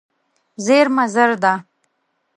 زېرمه زر ده.